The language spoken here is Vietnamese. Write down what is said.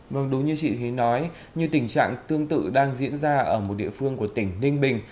vâng đúng như chị hến nói như tình trạng tương tự đang diễn ra ở một địa phương của tỉnh ninh bình